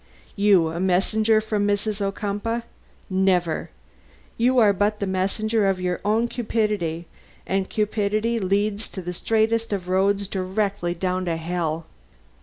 You, a messenger from Mrs. Ocumpaugh? Never. You are but the messenger of your own cupidity; and cupidity leads by the straightest of roads directly down to hell."